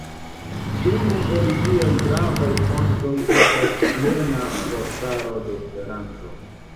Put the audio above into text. Unu el ĝiaj gravaj fontoj estas Plena Vortaro de Esperanto.